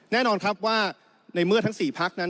แน่นอนครับว่าในเมื่อทั้ง๔พักนั้น